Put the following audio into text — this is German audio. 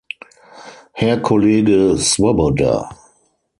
Herr Kollege Swoboda!